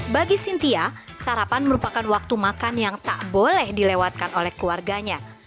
bagi sintia sarapan merupakan waktu makan yang tak boleh dilewatkan oleh keluarganya